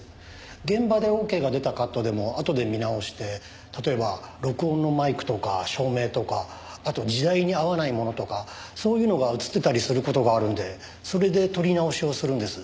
現場でオーケーが出たカットでもあとで見直して例えば録音のマイクとか照明とかあと時代に合わないものとかそういうのが映ってたりする事があるのでそれで撮り直しをするんです。